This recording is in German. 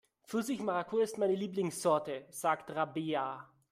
Pfirsich-Maracuja ist meine Lieblingssorte, sagt Rabea.